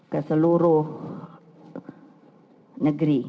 ke seluruh negeri